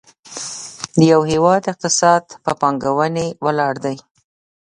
د یو هېواد اقتصاد په پانګونې ولاړ دی.